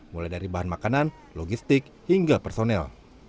mulai dari bahan makanan logistik hingga personel